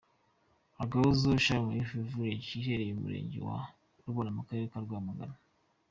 Agahozo Shalom Youth Village iherereye mu murenge wa Rubona mu karere ka Rwamagana.